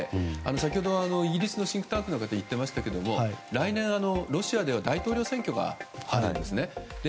先ほどイギリスのシンクタンクの方が言っていましたが来年、ロシアで大統領選挙があるんですね。